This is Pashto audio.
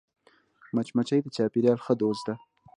مچمچۍ د چاپېریال ښه دوست ده